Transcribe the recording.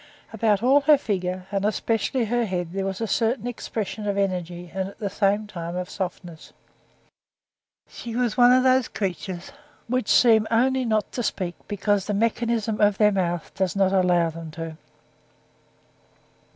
About all her figure, and especially her head, there was a certain expression of energy, and, at the same time, of softness. She was one of those creatures which seem only not to speak because the mechanism of their mouth does not allow them to.